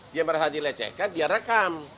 dia merasa dilecehkan dia rekam